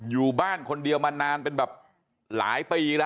อยู่บ้านคนเดียวมานานเป็นแบบหลายปีแล้ว